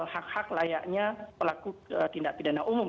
hak hak layaknya pelaku tindak pidana umum